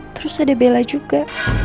terus ada bella juga